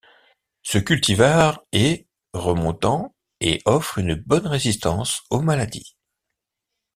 Ce cultivar est remontant et offre une bonne résistance aux maladies.